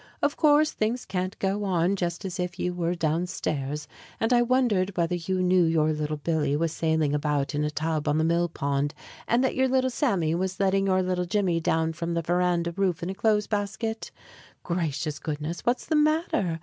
Of course, things can't go on jest as if you were down stairs; and I wondered whether you knew your little Billy was sailing about in a tub on the mill pond, and that your little Sammy was letting your little Jimmy down from the veranda roof in a clothes basket. Gracious goodness, what's the matter?